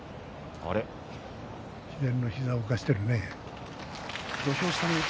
左膝を浮かしているね。